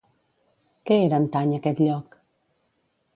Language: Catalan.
Què era antany aquest lloc?